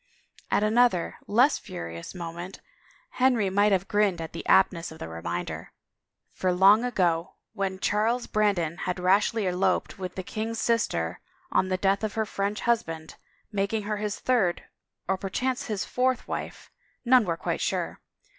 At another, less furious, moment Henry might have grinned at the aptness of the reminder, for long ago, when Charles Brandon had rashly eloped with the king's sister, on the death of her French husband, making her his third, or perchance his fourth wife — none were quite sure